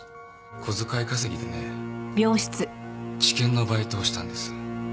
小遣い稼ぎでね治験のバイトをしたんです。